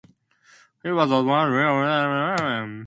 He was at once recalled to Saint Petersburg.